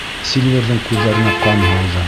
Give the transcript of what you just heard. Сильверҙың, күҙҙәренә ҡан һауҙы.